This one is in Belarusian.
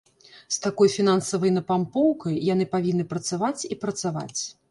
З такой фінансавай напампоўкай яны павінны працаваць і працаваць!